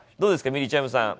みりちゃむさん。